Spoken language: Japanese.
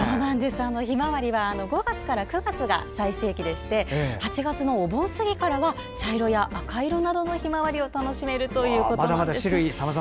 ヒマワリは５月から９月が最盛期でして８月のお盆過ぎからは茶色や赤色などのヒマワリを楽しめるということなんです。